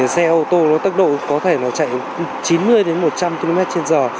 xe ô tô nó tốc độ có thể nó chạy chín mươi một trăm linh km trên giờ